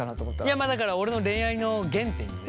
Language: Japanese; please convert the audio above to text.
いやまあだから俺の恋愛の原点にね。